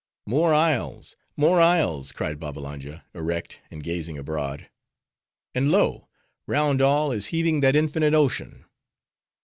"More isles! more isles!" cried Babbalanja, erect, and gazing abroad. "And lo! round all is heaving that infinite ocean.